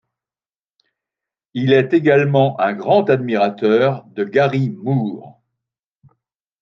Il est également un grand admirateur de Gary Moore.